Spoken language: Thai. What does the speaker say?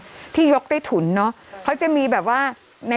กรมป้องกันแล้วก็บรรเทาสาธารณภัยนะคะ